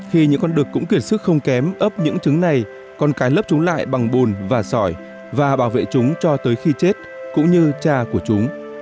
khi những con đực cũng kiệt sức không kém ấp những trứng này con cái lấp chúng lại bằng bùn và sỏi và bảo vệ chúng cho tới khi chết cũng như cha của chúng